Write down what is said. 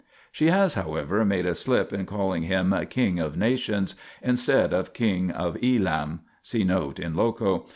She has, however, made a slip in calling him " king of Nations " instead of king of Elam : see note in loco.